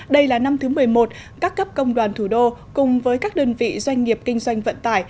đây là năm thứ một mươi một các cấp công đoàn thủ đô cùng với các đơn vị doanh nghiệp kinh doanh vận tải